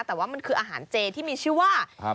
แต่ว่ามันคืออาหารเจที่มีชื่อว่า